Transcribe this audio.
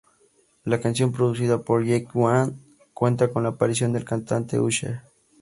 La canción, producida por Jake One, cuenta con la aparición del cantante Usher.